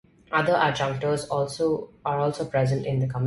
Other adjudicators are also present in the committee.